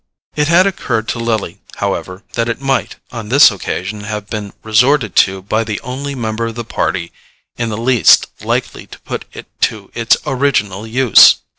It had occurred to Lily, however, that it might on this occasion have been resorted to by the only member of the party in the least likely to put it to its original use.